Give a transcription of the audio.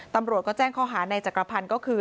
ตำรวจก็แจ้งข้อหาในจักรพันธ์ก็คือ